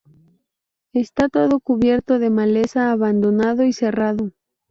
Está todo cubierto de maleza, abandonado y cerrado.